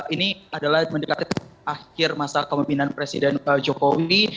ini adalah mendekati akhir masa kemimpinan presiden jokowi